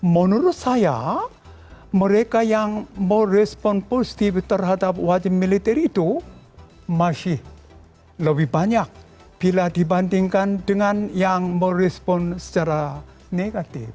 menurut saya mereka yang merespon positif terhadap wajib militer itu masih lebih banyak bila dibandingkan dengan yang merespon secara negatif